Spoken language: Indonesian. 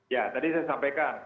ya tadi saya sampaikan